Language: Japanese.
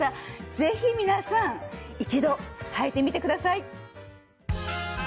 ぜひ皆さん一度はいてみてください！